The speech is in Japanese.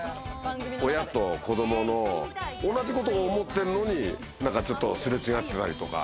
親と子供の同じことを思っているのにすれ違ってたりとか。